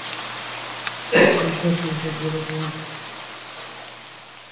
Mister Singh ঠিক বলেছেন।